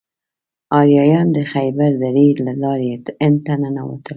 آریایان د خیبر درې له لارې هند ته ننوتل.